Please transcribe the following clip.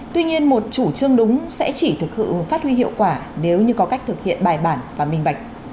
tuy nhiên một chủ trương đúng sẽ chỉ thực sự phát huy hiệu quả nếu như có cách thực hiện bài bản và minh bạch